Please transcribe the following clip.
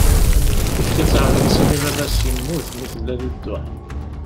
Yefka-tt ɛemmi-s imi bab-as yemmut mi tella di dduḥ.